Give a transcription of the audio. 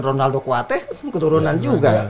ronaldo kuate keturunan juga